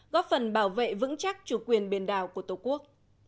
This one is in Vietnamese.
góp phần bảo vệ vững chắc chủ quyền biển đảo của tổ quốc